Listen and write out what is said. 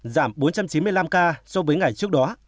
giảm bốn trăm chín mươi năm ca so với ngày trước đó